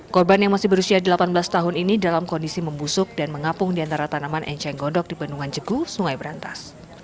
korban yang masih berusia delapan belas tahun ini dalam kondisi membusuk dan mengapung di antara tanaman enceng gondok di bendungan jegu sungai berantas